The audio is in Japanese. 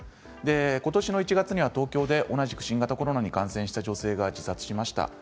ことしの１月には東京で同じく新型コロナに感染した女性が自殺しました。